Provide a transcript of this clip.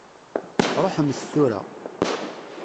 Ṛuḥemt tura.